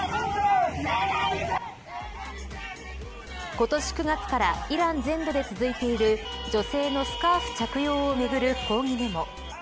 今年９月からイラン全土で続いている女性のスカーフ着用をめぐる抗議デモ。